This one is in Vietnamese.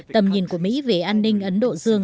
tầm nhìn của mỹ về an ninh ấn độ dương